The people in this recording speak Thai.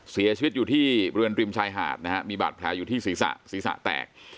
เสียชีวิตอยู่ที่บริเวณริมชายหาดนะฮะมีบาดแผลอยู่ที่ศีรษะศีรษะแตก